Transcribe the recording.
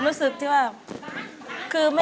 ผมรู้สึกที่ว่า